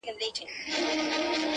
• او پیر بابا پخپله ,